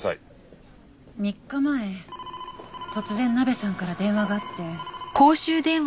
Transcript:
３日前突然ナベさんから電話があって。